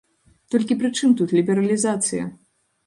Толькі пры чым тут лібералізацыя?